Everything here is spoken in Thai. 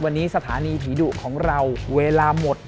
วันนี้สถานีผีดุของเราเวลาหมด